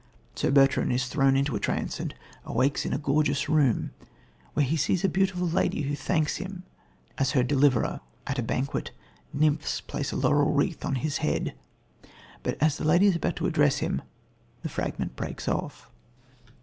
Sir Bertrand is thrown into a trance and awakes in a gorgeous room, where he sees a beautiful lady who thanks him as her deliverer. At a banquet, nymphs place a laurel wreath on his head, but as the lady is about to address him the fragment breaks off.